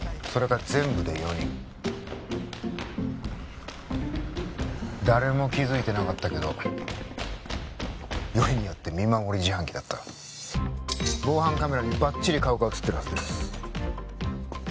それが全部で４人誰も気づいてなかったけどよりによってみまもり自販機だった防犯カメラにバッチリ顔が写ってるはずです